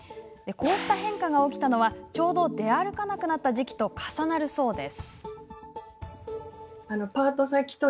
こうした変化が起きたのはちょうど出歩かなくなった時期と重なるそうです。